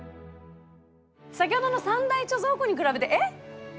先ほどの三大貯蔵庫に比べて「えっお酒？